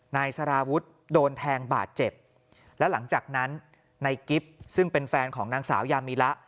นายสารวุฒิโดนแทงบาดเจ็บแล้วหลังจากนั้นนายกิฟต์ซึ่งเป็นแฟนของนางสาวยามิละ